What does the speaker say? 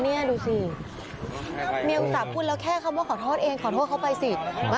นี่เนี่ยดูสี่แค่คำว่าขอโทษเองขอโทษเขาไปสิ